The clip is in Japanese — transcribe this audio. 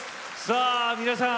さあ皆さん